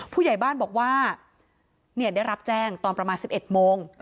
ผู้ใหญ่บ้านบอกว่าได้รับแจ้งตอนประมาณ๑๑โมง